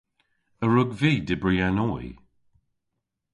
A wrug vy dybri an oy?